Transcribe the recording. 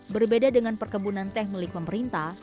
berbeda dengan perkebunan teh milik pemerintah